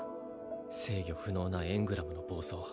制御不能なエングラムの暴走